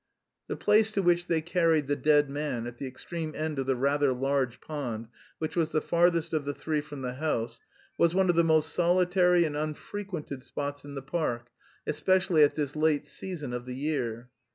The place to which they carried the dead man at the extreme end of the rather large pond, which was the farthest of the three from the house, was one of the most solitary and unfrequented spots in the park, especially at this late season of the year.